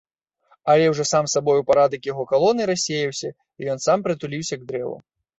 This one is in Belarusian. Але ўжо сам сабою парадак яго калоны рассеяўся і ён сам прытуліўся к дрэву.